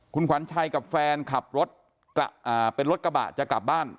คุณขวัญชัยกับแฟนขับรถเป็นรถกระบะจะกลับบ้าน